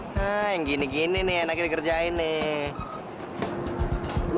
nah yang gini gini nih enak dikerjain nih